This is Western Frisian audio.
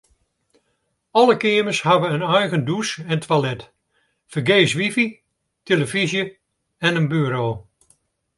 Alle keamers hawwe in eigen dûs en toilet, fergees wifi, tillefyzje en in buro.